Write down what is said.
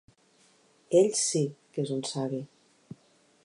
Ell sí, que és un savi.